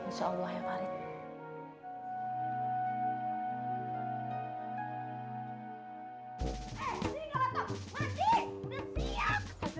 insya allah ya farid